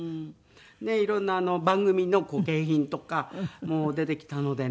いろんな番組の景品とかも出てきたのでね。